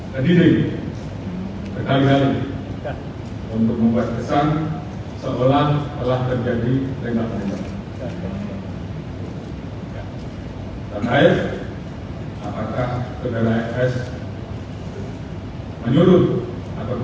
terdiri terkali kali untuk membuat kesan seolah olah terjadi tembak tembak